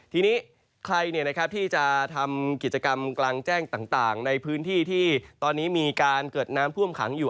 ทีนี้ใครที่จะทำกิจกรรมกลางแจ้งต่างในพื้นที่ที่ตอนนี้มีการเกิดน้ำท่วมขังอยู่